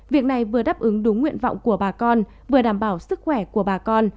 việc này vừa đáp ứng đúng nguyện vọng của bà con vừa đảm bảo sức khỏe của bà con